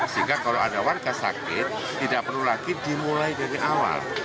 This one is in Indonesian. sehingga kalau ada warga sakit tidak perlu lagi dimulai dari awal